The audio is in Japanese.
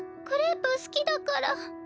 クレープ好きだから。